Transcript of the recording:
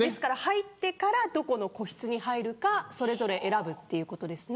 入ってからどこの個室に入るか選ぶということですよね。